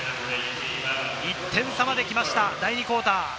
１点差まで来ました、第２クオーター。